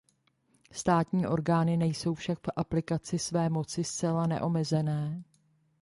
Státní orgány nejsou však v aplikaci své moci zcela neomezené.